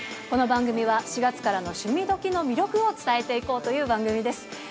この番組は４月からの「趣味どきっ！」の魅力を伝えていこうという番組です。